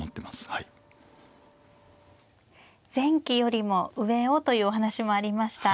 前期よりも上をというお話もありました。